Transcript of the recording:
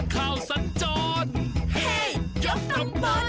บ๊ายบาย